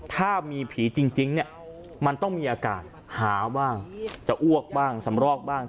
ถ้ามีผีจริงเนี่ยมันต้องมีอากาศหาบ้างจะอ้วกบ้างสำรอกบ้าง